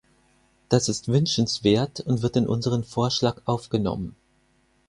Das ist wünschenswert und wird in unseren Vorschlag aufgenommen.